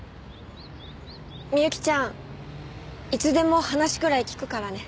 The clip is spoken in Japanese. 美幸ちゃんいつでも話くらい聞くからね。